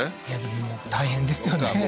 いやでも大変ですよね